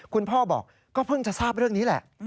คุณพ่อบอกก็เพิ่งจะทราบเรื่องนี้แหละ